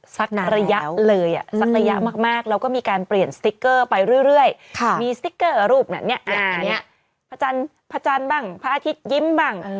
พระจันทร์เป็นพระอาทิตย์ยิ้มบ้าง